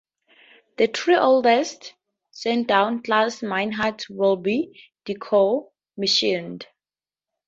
The three oldest "Sandown"-class minehunters will be decommissioned.